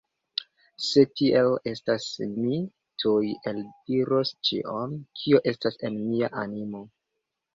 Se tiel estas, mi tuj eldiros ĉion, kio estas en mia animo.